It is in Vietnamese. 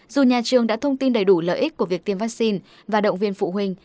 dù nhà trường đã thông tin đầy đủ lợi ích của việc tiêm vaccine và động viên phụ huynh